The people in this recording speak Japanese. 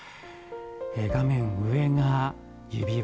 画面上が指輪。